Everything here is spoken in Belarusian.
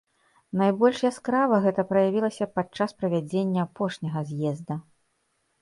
Найбольш яскрава гэта праявілася падчас правядзення апошняга з'езда.